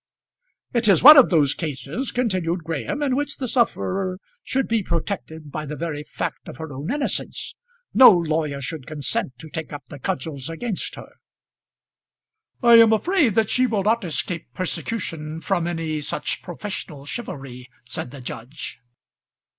"It is one of those cases," continued Graham, "in which the sufferer should be protected by the very fact of her own innocence. No lawyer should consent to take up the cudgels against her." "I am afraid that she will not escape persecution from any such professional chivalry," said the judge.